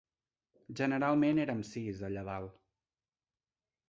Generalment érem sis, allà dalt.